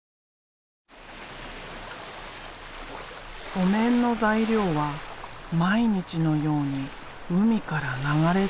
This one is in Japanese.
お面の材料は毎日のように海から流れ着く。